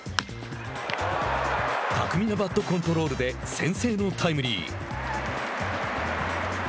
巧みなバットコントロールで先制のタイムリー。